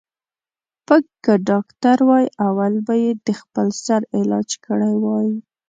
ـ پک که ډاکتر وای اول به یې د خپل سر علاج کړی وای.